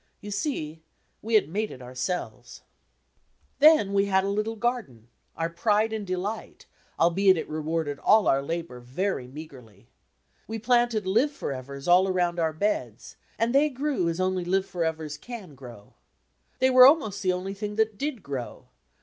You see, we had made it ourselves! Then we had a litde garden, our pride and delight, albeit it rewarded all our labour very meagrely. We planted live forevers around all our beds, and they grew as only live> forevers can grow. They were almost the only things that did grow.